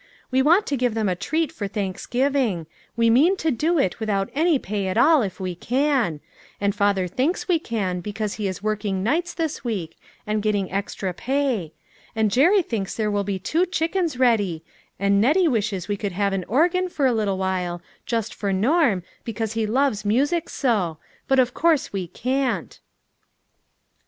We want to give them a treat for Thanksgiving; we mean to do it without any pay at all if we can ; and father thinks we can, because he is working nights this week, and getting extra pay ; and Jerry thinks there will be two chick 396 LITTLE FISHERS ! AND THEIR NETS. ens ready ; and Nettie wishes we could have an organ for a little while, just for Norm, because he loves music so, but of course we can't."